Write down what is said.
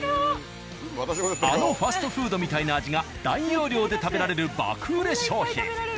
あのファストフードみたいな味が大容量で食べられる爆売れ商品。